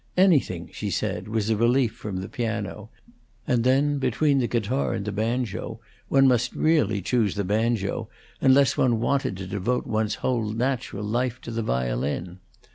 Anything, she said, was a relief from the piano; and then, between the guitar and the banjo, one must really choose the banjo, unless one wanted to devote one's whole natural life to the violin.